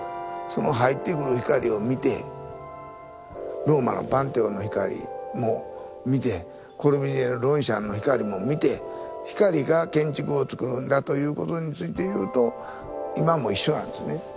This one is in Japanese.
その入ってくる光を見てローマのパンテオンの光も見てコルビュジエのロンシャンの光も見て光が建築をつくるんだということについていうと今も一緒なんですね。